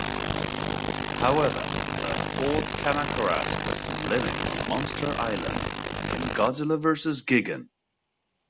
However, a fourth Kamacuras was seen living on Monster Island in "Godzilla versus Gigan".